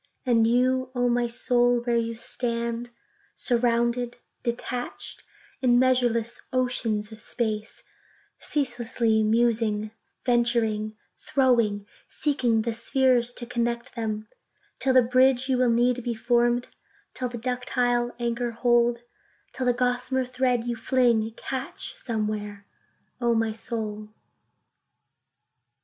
And you, O my Soul, where you stand, Surrounded, surrounded, in measureless oceans of space, Ceaselessly musing, venturing, throwing,—seeking the spheres, to connect them; Till the bridge you will need, be form'd—till the ductile anchor hold; Till the gossamer thread you fling, catch somewhere, O my Soul.